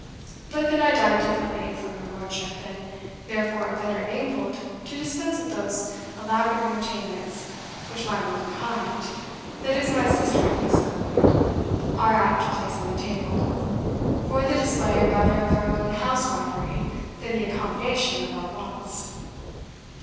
But then I dine differently from your lordship, and therefore am better enabled to dispense with those elaborate entertainments which my womankind (that is, my sister and niece, my lord) are apt to place on the table, for the display rather of their own house wifery than the accommodation of our wants.